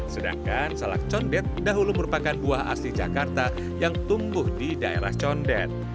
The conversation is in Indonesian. sedangkan salak condet dahulu merupakan buah asli jakarta yang tumbuh di daerah condet